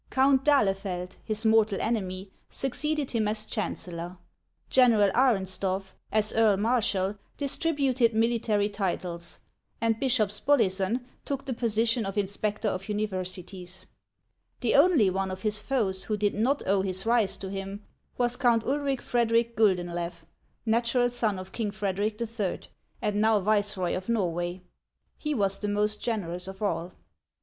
Count d'Ahlefeld, his mortal enemy, succeeded him as chancellor; General Arensdorf, as earl marshal, distributed military titles, and Bishop Spollyson took the position of inspector of uni versities. The only one of his foes who did not owe his rise to him was Count Ulric Frederic Guldenlew, natural son of King .Frederic III., and now viceroy of Norway. He was the most generous of all.